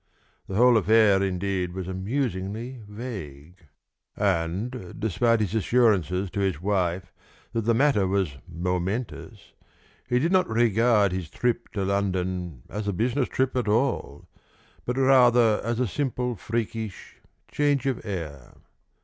The whole affair, indeed, was amusingly vague; and, despite his assurances to his wife that the matter was momentous, he did not regard his trip to London as a business trip at all, but rather as a simple freakish change of air.